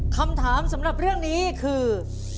คำถามสำหรับเรื่องนี้คือ